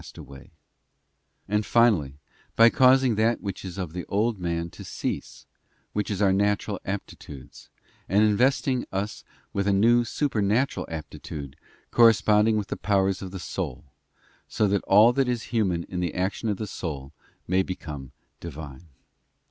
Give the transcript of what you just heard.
pure, The royal road of the Holy Cross, away ; and, finally, by causing that which is of the old man to cease, which is our natural aptitudes, and investing us with a new supernatural aptitude corresponding with the powers of the soul, so that all that is human in the action of the soul may become divine.